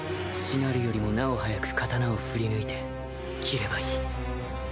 しなるよりもなお速く刀を振り抜いて斬ればいい